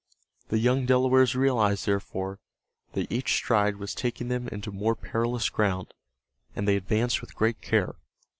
The young Delawares realized, therefore, that each stride was taking them into more perilous ground, and they advanced with great care.